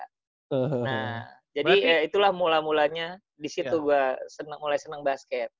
nah jadi ya itulah mula mulanya disitu gue mulai senang basket